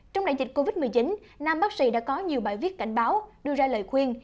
trong đại dịch covid một mươi chín nam bác sĩ đã có nhiều bài viết cảnh báo đưa ra lời khuyên